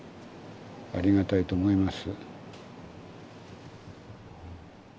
ありがたいと思います。